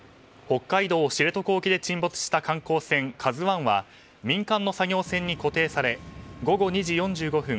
北海道知床沖で沈没した観光船「ＫＡＺＵ１」は民間の作業船に固定され午後２時４５分